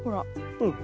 うん。